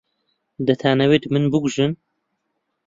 دەتانەوێت من بکوژن؟